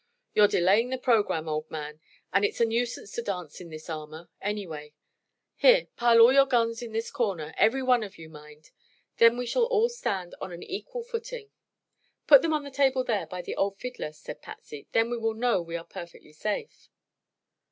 "You're delaying the programme, old man, and it's a nuisance to dance in this armor, anyway. Here pile all your guns in this corner; every one of you, mind. Then we shall all stand on an equal footing." "Put them on the table there, by the old fiddler," said Patsy; "then we will know we are perfectly safe."